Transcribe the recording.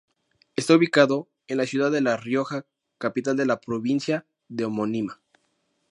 Está ubicado en la ciudad de La Rioja, capital de la provincia de homónima.